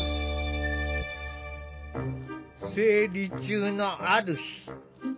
生理中のある日。